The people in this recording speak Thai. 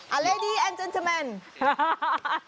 อ่าท่องเที่ยวชาติ